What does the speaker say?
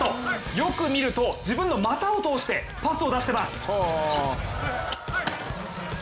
よく見ると、自分の股を通してパスを出してます。